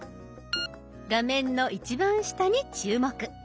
画面の一番下に注目。